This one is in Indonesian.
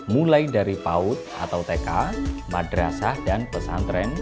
mulai dari paut atau tk madrasah dan pesantren